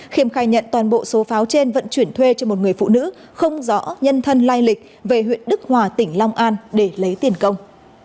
khiêm khai nhận toàn bộ số pháo trên vận chuyển thuê cho một người phụ nữ không rõ nhân thân lai lịch về huyện đức hòa tỉnh long an để lấy tiền công